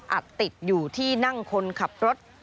ติดอยู่ที่นั่งคนขับรถ